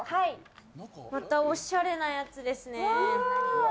またおしゃれなやつですね。